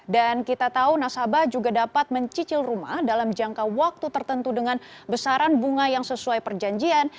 dan kita tahu nasabah juga dapat mencicil rumah dalam jangka waktu tertentu dengan besaran bunga yang sesuai perjanjian